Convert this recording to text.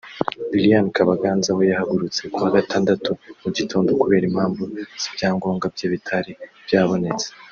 Liliane Kabaganza we yahagurutse kuwa gatandatu mu gitondo kubera impamvu z’ibyangombwa bye bitari byabonetse